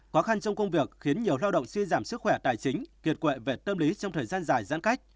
khó khăn trong công việc khiến nhiều lao động suy giảm sức khỏe tài chính kiệt quệ về tâm lý trong thời gian dài giãn cách